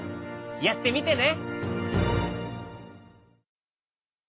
やってみてね。